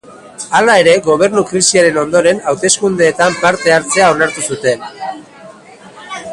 Hala ere, gobernu krisiaren ondoren, hauteskundeetan parte hartzea onartu zuen.